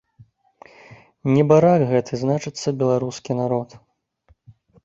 Небарак гэты, значыцца, беларускі народ.